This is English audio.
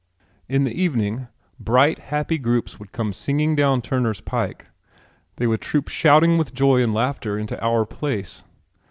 In the evening bright happy groups would come singing down Turner's Pike. They would troop shouting with joy and laughter into our place.